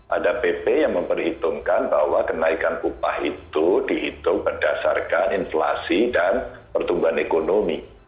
ada pp yang memperhitungkan bahwa kenaikan upah itu dihitung berdasarkan inflasi dan pertumbuhan ekonomi